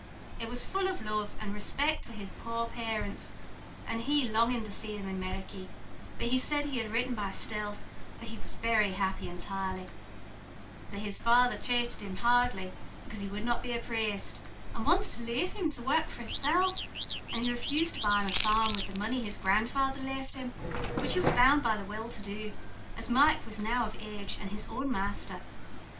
It was full of love and respict to his poor parents, an' he longin' to see them in 'Meriky; but he said he had written by stealth, for he was very unhappy intirely, that his uncle thrated him hardly, becaze he would not be a praste, an' wanted to lave him, to work for himsel'; an' he refused to buy him a farm wid the money his grandfather left him, which he was bound by the will to do, as Mike was now of age, an' his own masther.